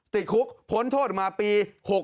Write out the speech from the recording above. ติดคุกพ้นโทษออกมาปี๖๖